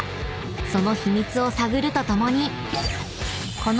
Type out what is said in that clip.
［その秘密を探るとともに］